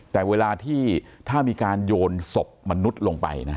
แต่เวลาที่ถ้ามีการโยนศพมนุษย์ลงไป